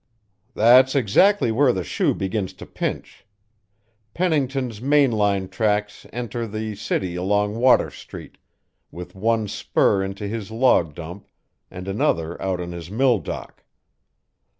"That's exactly where the shoe begins to pinch, Pennington's main line tracks enter the city along Water Street, with one spur into his log dump and another out on his mill dock.